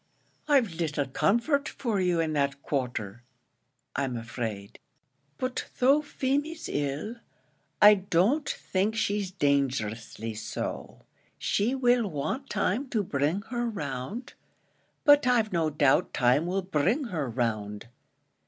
"I've little comfort for you in that quarter, I'm afraid; but though Feemy's ill, I don't think she's dangerously so. She will want time to bring her round; but I've no doubt time will bring her round.